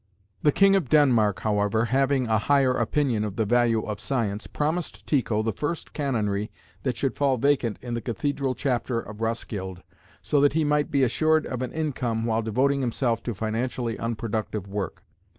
The King of Denmark, however, having a higher opinion of the value of science, promised Tycho the first canonry that should fall vacant in the cathedral chapter of Roskilde, so that he might be assured of an income while devoting himself to financially unproductive work.